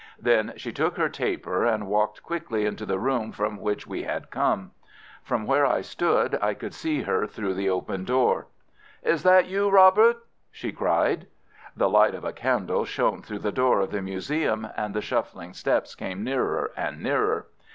Then she took her taper and walked quickly into the room from which we had come. From where I stood I could see her through the open door. "Is that you, Robert?" she cried. The light of a candle shone through the door of the museum, and the shuffling steps came nearer and nearer.